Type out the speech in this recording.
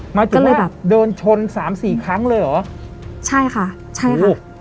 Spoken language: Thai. หมายถึงว่าเดินชนสามสี่ครั้งเลยเหรอ